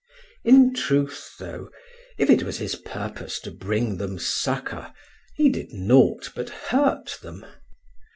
In truth, though, if it was his purpose to bring them succour, he did nought but hurt them.